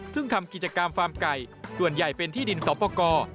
ซึ่งทำกิจกรรมฟาร์มไก่ส่วนใหญ่เป็นที่ดินสอปกร